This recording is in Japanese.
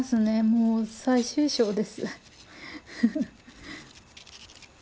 もう最終章です。